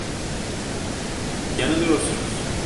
Yanılıyorsunuz.